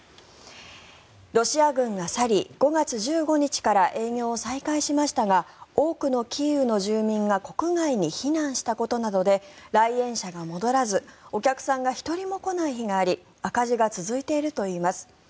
ロシア軍が去り、５月１５日から営業を再開しましたが多くのキーウの住民が国外に避難したことなどで来園者が戻らずお客さんが１人も来ない日があり赤字が続いているといいます。